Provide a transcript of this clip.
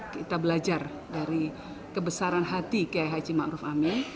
kita belajar dari kebesaran hati kia haji ma'ruf amin